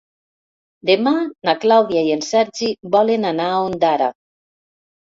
Demà na Clàudia i en Sergi volen anar a Ondara.